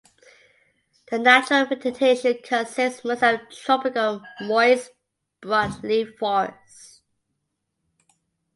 The natural vegetation consists mostly of tropical moist broadleaf forests.